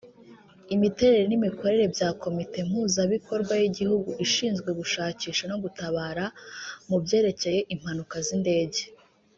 imiterere n’imikorere bya Komite Mpuzabikorwa y’Igihugu ishinzwe gushakisha no gutabara mu byerekeye impanuka z’indege